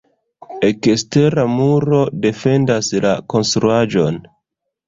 Ekstera muro defendas la konstruaĵon.